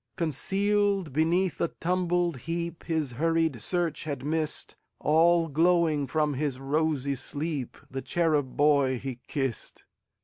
Concealed beneath a tumbled heapHis hurried search had missed, All glowing from his rosy sleep, The cherub boy he kissed.